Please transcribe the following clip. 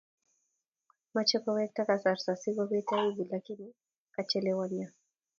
mochei kowekta kasarta si koobet aiubu lakini ka kochelewanyo